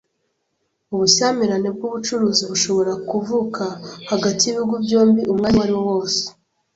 Ubushyamirane bw’ubucuruzi bushobora kuvuka hagati y’ibihugu byombi umwanya uwariwo wose.